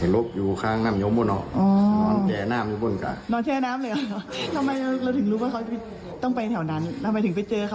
ลบอยู่ข้างน้ำยมบนออก